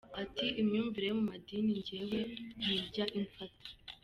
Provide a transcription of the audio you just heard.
Ati “imyumvire yo mu madini njyewe ntijya imfata.